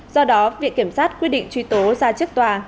do đó viện kiểm sát quyết định truy tố ra trước tòa